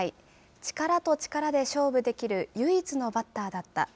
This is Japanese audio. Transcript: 力と力で勝負できる唯一のバッターだった。